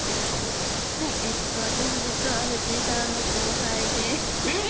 はい私実は藤井さんの後輩でえっ？